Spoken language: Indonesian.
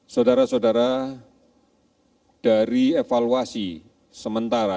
saudara saudara dari evaluasi sementara